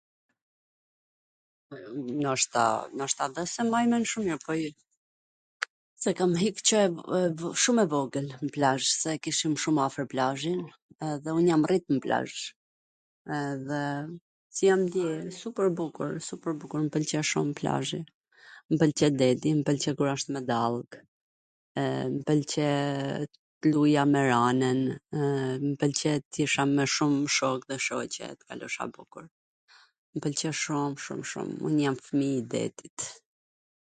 Noshta, noshta dhe s e maj men shum mir, por kam hik qw shum e vogwl nw plazh, se e kishim shum afwr plazhin, edhe un jam rrit nw plazh, edhe si jam ndier? Super bukur, super bukur. Po, m pwlqen shum plazhi, mw pwlqen deti, mw pwlqen kur asht me dallg, e m pwlqe t luja me ranwn, m pwlqe t isha me shum shok dhe shoqe e t kalosha bukur, m pwlqe shum shum shum, un jam fmij i detit.